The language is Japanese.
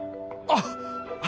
あっ！